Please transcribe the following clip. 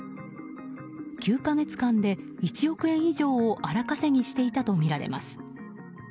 ９か月間で１億円以上を荒稼ぎしていたとみられます。